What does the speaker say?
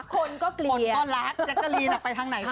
คนก็เกลียคนก็รักแจ๊คเกอร์รีนออกไปทางไหนก็รัก